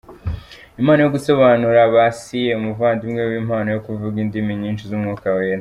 Impano yo gusobanura basiye “umuvandimwe w’impano yo kuvuga indimi nyinshi z’Umwuka Wera”.